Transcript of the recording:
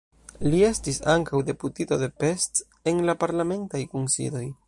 Li estis ankaŭ deputito de Pest en la parlamentaj kunsidoj.